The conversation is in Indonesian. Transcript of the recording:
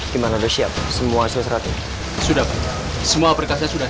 gimana udah siap semua sesuatu sudah semua perkasa sudah